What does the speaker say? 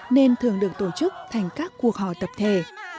nên thường được tổ chức thành các cuộc họp tập thể